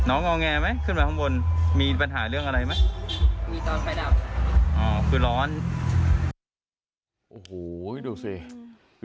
โอ้โหดูสิ